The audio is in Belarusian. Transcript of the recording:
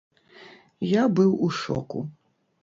Я быў у шоку.